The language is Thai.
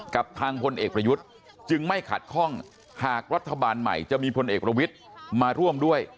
กับทางพลเอกประยุทธ์จึงไม่ขัดข้องหากรัฐบาลใหม่จะมีพลเอกประวิทย์มาร่วมด้วย